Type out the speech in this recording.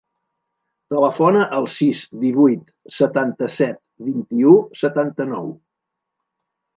Telefona al sis, divuit, setanta-set, vint-i-u, setanta-nou.